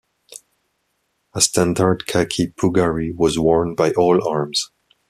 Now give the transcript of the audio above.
A standard khaki puggaree was worn by all arms.